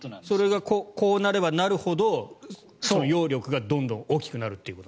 それがこうなればなるほど揚力がどんどん大きくなると。